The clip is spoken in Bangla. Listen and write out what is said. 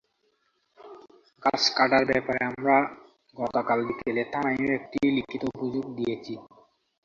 গাছ কাটার ব্যাপারে আমরা গতকাল বিকেলে থানায়ও একটি লিখিত অভিযোগ দিয়েছি।